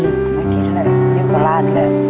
ไม่คิดเลยอยู่กับลูกร้านเลย